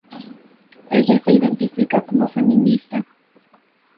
Ella se identifica como feminista.